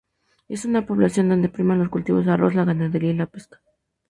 Es una población donde priman los cultivos de arroz, la ganadería y la pesca.